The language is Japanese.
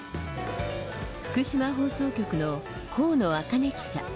福島放送局の高野茜記者。